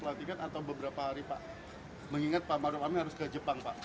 pelantikan atau beberapa hari pak mengingat pak maruf amin harus ke jepang pak